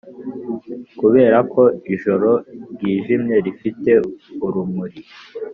kuberako ijoro ryijimye rifite urumuri